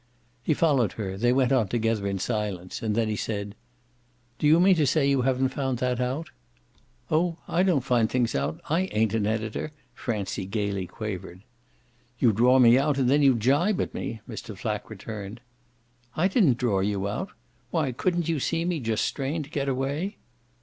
He followed her; they went on together in silence and then he said: "Do you mean to say you haven't found that out?" "Oh I don't find things out I ain't an editor!" Francie gaily quavered. "You draw me out and then you gibe at me," Mr. Flack returned. "I didn't draw you out. Why, couldn't you see me just strain to get away?"